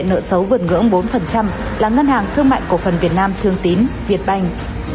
nợ xấu vượt ngưỡng bốn là ngân hàng thương mạnh của phần việt nam thương tín việt banh